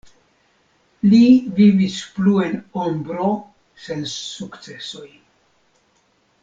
Li vivis plu en "ombro" sen sukcesoj.